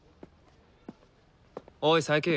おい佐伯。